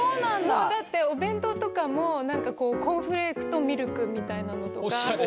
もうだってお弁当とかもなんかコーンフレークとミルクみたいなのとか。